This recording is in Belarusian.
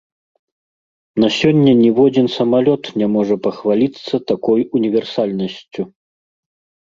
На сёння ніводзін самалёт не можа пахваліцца такой універсальнасцю.